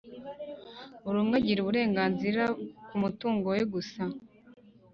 buri umwe akagira uburenganzira ku mutungo we gusa.